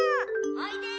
・おいで！